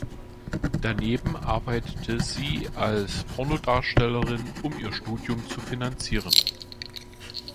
Daneben arbeitete sie als Pornodarstellerin, um ihr Studium zu finanzieren.